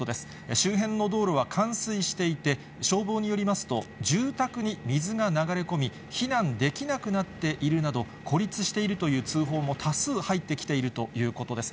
周辺の道路は冠水していて、消防によりますと、住宅に水が流れ込み、避難できなくなっているなど、孤立しているという通報も多数入ってきているということです。